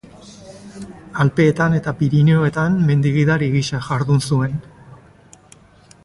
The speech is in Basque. Alpeetan eta Pirinioetan mendi-gidari gisa jardun zuen.